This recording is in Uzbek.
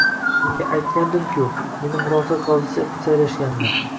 Senga aytgandim-ku, meni murosa qozisi etib saylashganini